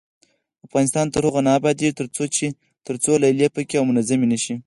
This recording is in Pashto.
افغانستان تر هغو نه ابادیږي، ترڅو لیلیې پاکې او منظمې نشي.